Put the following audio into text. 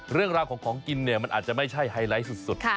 เรื่องราวของของกินเนี่ยมันอาจจะไม่ใช่ไฮไลท์สุด